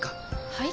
はい？